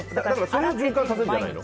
それを循環させるんじゃないの？